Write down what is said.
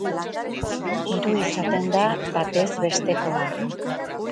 Hiru izaten da batez bestekoa.